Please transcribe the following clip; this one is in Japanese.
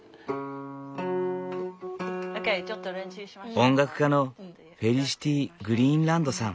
音楽家のフェリシティ・グリーンランドさん。